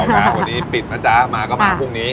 วันนี้ปิดนะจ๊ะมาก็มาพรุ่งนี้